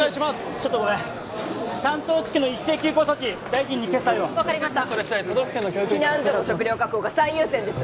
ちょっとごめん関東地区の一斉休校措置大臣に決裁を分かりました避難所の食糧確保が最優先です